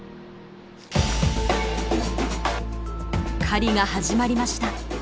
狩りが始まりました。